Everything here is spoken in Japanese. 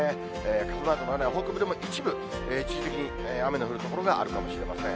傘マークのない北部でも一部、一時的に雨の降る所があるかもしれません。